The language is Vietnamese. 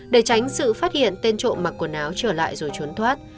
để tránh sự phát hiện tên trộm mặc quần áo trở lại rồi trốn thoát